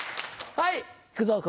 はい。